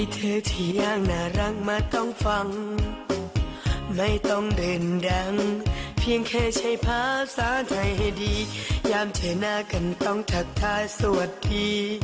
ต้องทักทายสวัสดีห่างเสียงด้วยสิ